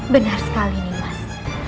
benar sekali nimas